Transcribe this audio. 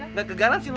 nggak kegaransi lu